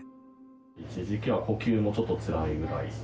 一時期は呼吸もちょっとつらいぐらい？